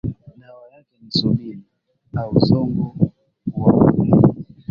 Dawa yake ni subili, au zongo huauni,